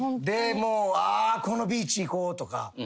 でもうあこのビーチ行こうとか。